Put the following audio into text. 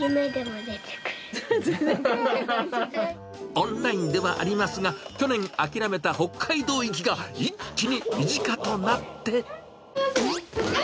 オンラインではありますが、去年諦めた北海道行きが、一気に身近となって。